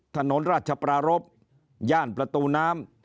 ถนนราชปรารบย่านประตูน้ำ